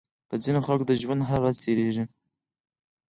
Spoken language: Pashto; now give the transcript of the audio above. په ځينې خلکو د ژوند هره ورځ تېرېږي.